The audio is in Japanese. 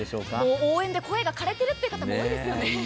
応援で声がかれてるって方も多いですよね。